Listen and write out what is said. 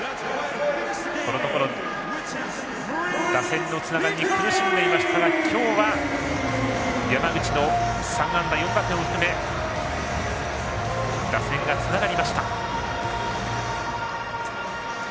このところ打線のつながりに苦しんでいましたが今日は山口の３安打４打点を含め打線がつながりました。